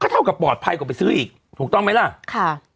ก็เท่ากับ๐๔๘ออกไปซื้ออีกถูกต้องไหมนะค่ะ